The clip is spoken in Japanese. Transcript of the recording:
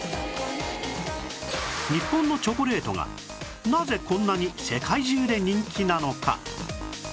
日本のチョコレートがなぜこんなに世界中で人気なのか？